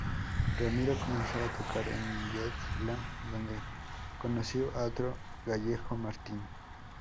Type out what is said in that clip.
Ramiro comenzó a tocar en Jet Lag, donde conoció a otro gallego: Martín.